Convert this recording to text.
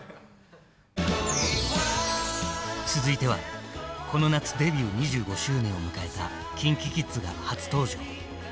続いてはこの夏デビュー２５周年を迎えたＫｉｎＫｉＫｉｄｓが初登場。